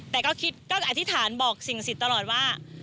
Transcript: แต่ก็คิดก็จะอธิษฐานบอกสิ่งสิทธิ์ตลอดว่า